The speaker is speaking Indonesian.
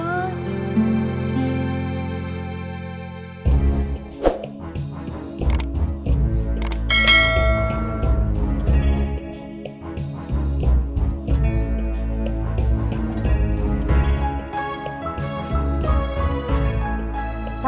jangan lupa like subscribe dan share ya